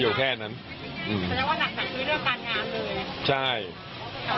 คือหลักจากนี้เรื่องการงานเลย